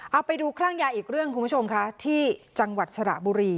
เอาไปดูคลั่งยาอีกเรื่องคุณผู้ชมค่ะที่จังหวัดสระบุรี